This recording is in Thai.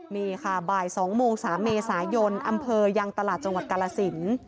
นี่ค่ะบ่าย๒โมง๓เมษายนอำเภอยังตลาดจังหวัดกาลสิน